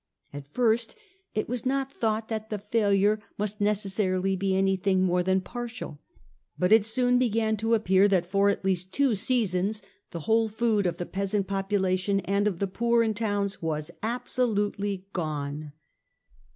At first it was not thought that the failure must necessarily he anything more than partial. But it soon began to appear that for at least two seasons the whole food of the peasant population and of the poor in towns was absolutely gone.